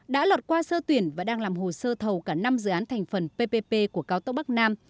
đã lọt qua sơ tuyển và đang làm hồ sơ thầu cả năm dự án thành phần ppp của cao tốc bắc nam